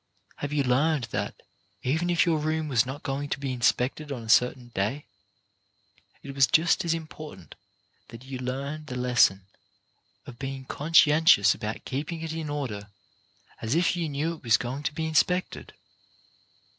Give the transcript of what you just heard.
Have you learned that, even if your room was not going to be inspected on a certain day, it was just as im portant that you learn the lesson of being con scientious about keeping it in order as if you knew it was going to be inspected?